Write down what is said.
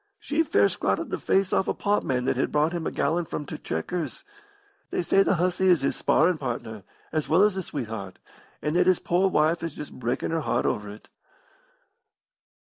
She fair scratted the face off a potman that had brought him a gallon from t' 'Chequers.' They say the hussy is his sparrin' partner, as well as his sweetheart, and that his poor wife is just breakin' her heart over it.